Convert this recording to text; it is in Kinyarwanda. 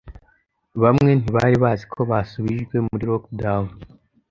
Bamwe ntibari bazi ko basubijwe muri lockdown